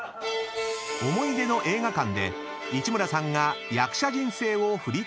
［思い出の映画館で市村さんが役者人生を振り返ります］